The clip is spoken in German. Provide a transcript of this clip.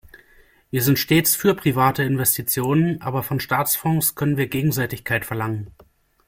Wir sind stets für private Investitionen, aber von Staatsfonds können wir Gegenseitigkeit verlangen.